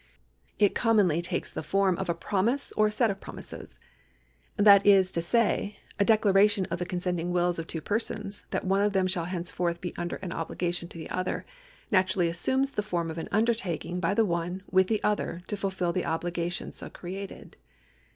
It commonly takes the form of a promise or set of promises. That is to say, a declaration of the consent ing wills of two persons that one of them shall henceforth be under an obligation to the other naturally assumes the form of an undertaking by the one with the other to fulfil the obligation so created.